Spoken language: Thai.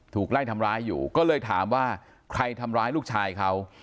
ถูกไล่ทำร้ายอยู่ก็เลยถามว่าใครทำร้ายลูกชายเขา